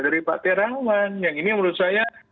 dari pak terawan yang ini menurut saya